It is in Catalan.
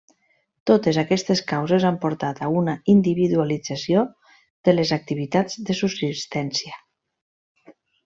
Totes aquestes causes han portat a una individualització de les activitats de subsistència.